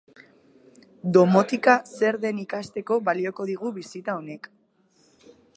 Domotika zer den ikasteko balioko digu bisita honek.